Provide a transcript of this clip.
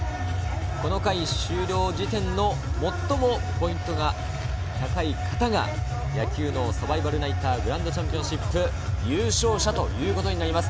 この回終了時点で最もポイントが高い方が野球脳サバイバルナイターグランドチャンピオンシップ優勝者ということになります。